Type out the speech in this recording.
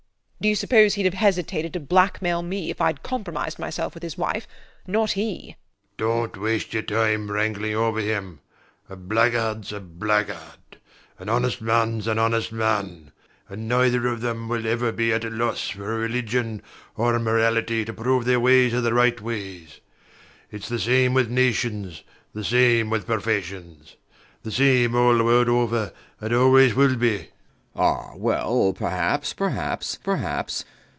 Do you suppose he'd have hesitated to blackmail me if I'd compromised myself with his wife? Not he. SIR PATRICK. Dont waste your time wrangling over him. A blackguard's a blackguard; an honest man's an honest man; and neither of them will ever be at a loss for a religion or a morality to prove that their ways are the right ways. It's the same with nations, the same with professions, the same all the world over and always will be. B. B. Ah, well, perhaps, perhaps, perhaps.